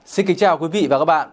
xin kính chào quý vị và các bạn